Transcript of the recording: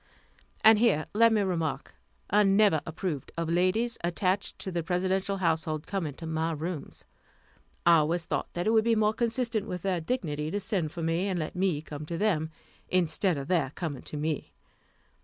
And here let me remark, I never approved of ladies, attached to the Presidential household, coming to my rooms. I always thought that it would be more consistent with their dignity to send for me, and let me come to them, instead of their coming to me.